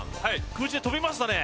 空中で跳びましたね